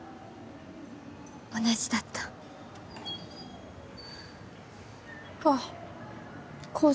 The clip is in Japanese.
同じだったあっコウ